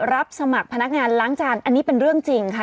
รับสมัครพนักงานล้างจานอันนี้เป็นเรื่องจริงค่ะ